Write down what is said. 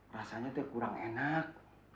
rasanya teh kurang enak